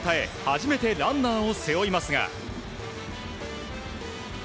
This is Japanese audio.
初めてランナーを背負いますが。